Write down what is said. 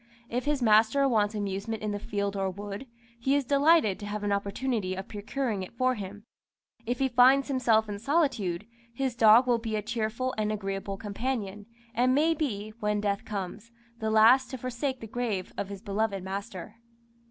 If his master wants amusement in the field or wood, he is delighted to have an opportunity of procuring it for him; if he finds himself in solitude, his dog will be a cheerful and agreeable companion, and maybe, when death comes, the last to forsake the grave of his beloved master.